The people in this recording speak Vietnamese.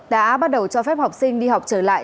đã bắt đầu cho phép học sinh đi học trở lại